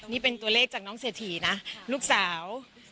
นี่เป็นตัวเลขจากน้องเศรษฐีนะลูกสาว